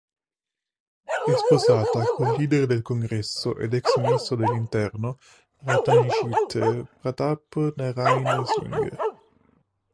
È sposata col leader del Congresso ed ex Ministro dell'interno Ratanjit Pratap Narain Singh.